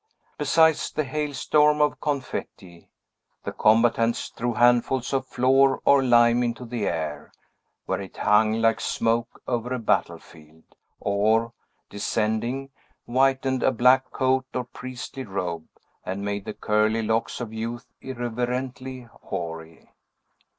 Besides the hailstorm of confetti, the combatants threw handfuls of flour or lime into the air, where it hung like smoke over a battlefield, or, descending, whitened a black coat or priestly robe, and made the curly locks of youth irreverently hoary.